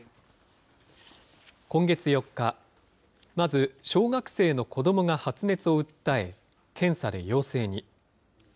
今月４日、まず小学生の子どもが発熱を訴え、検査で陽性に。